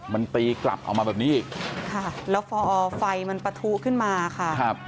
มันตีกลับออกมาแบบนี้อีกค่ะแล้วพอไฟมันปะทุขึ้นมาค่ะครับ